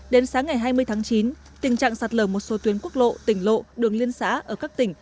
đến sáng ngày hai mươi tháng chín tình trạng sạt lở một số tuyến quốc lộ tỉnh lộ đường liên xã ở các tỉnh